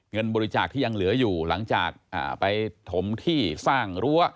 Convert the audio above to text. เงินบริจาคที่ยังเหลืออยู่หลังจากไปถมที่สร้างรั้ว